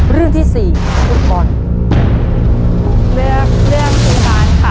เรื่องที่สี่ผู้บอล